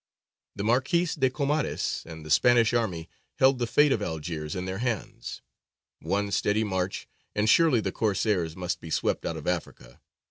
The Marquis de Comares and the Spanish army held the fate of Algiers in their hands; one steady march, and surely the Corsairs must be swept out of Africa.